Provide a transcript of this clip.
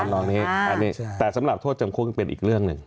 อะไรของนี่อันนี้แต่สำหรับโทษจำคุกเป็นอีกเรื่องหนึ่ง